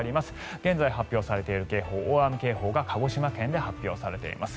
現在発表されている警報大雨警報が鹿児島県で発表されています。